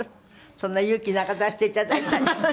そんな勇気なんか出して頂いたりして。